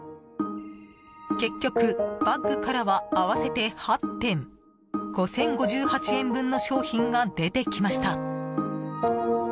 結局、バッグからは合わせて８点５０５８円分の商品が出てきました。